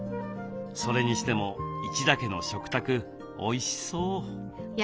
それにしても一田家の食卓おいしそう。